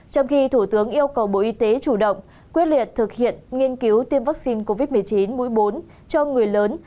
trong khi thủ tướng yêu cầu bộ y tế chủ động quyết liệt thực hiện nghiên cứu tiêm vaccine covid một mươi chín mũi bốn cho người lớn